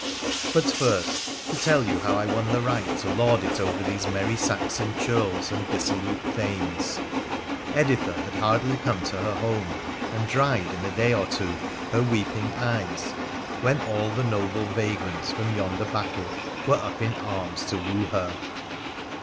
But first to tell you how I won the right to lord it over these merry Saxon churls and dissolute thanes. Editha had hardly come to her home and dried, in a day or two, her weeping eyes, when all the noble vagrants from yonder battle were up in arms to woo her.